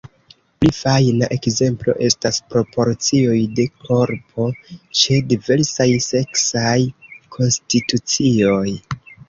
Pli fajna ekzemplo estas proporcioj de korpo ĉe diversaj seksaj konstitucioj.